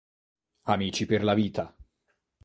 Amici per la vita